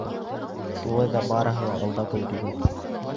Шулай ҙа барыһы ла ал да гөл түгел.